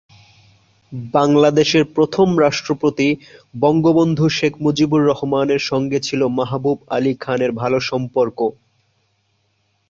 বাংলাদেশের প্রথম রাষ্ট্রপতি বঙ্গবন্ধু শেখ মুজিবুর রহমানের সঙ্গে ছিল মাহবুব আলী খানের ভালো সম্পর্ক।